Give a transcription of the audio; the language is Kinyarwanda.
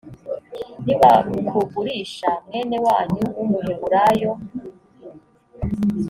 nibakugurisha mwene wanyu w’umuheburayo